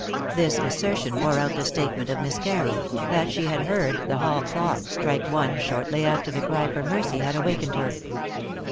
This assertion bore out the statement of Miss Carew, that she had heard the hall clock strike one shortly after the cry for mercy had awakened her.